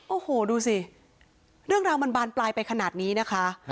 โอ้โหดูสิเรื่องราวมันบานปลายไปขนาดนี้นะคะ